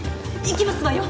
行きますわよ。